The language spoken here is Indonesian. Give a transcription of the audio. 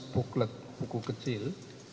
booklet buku kecil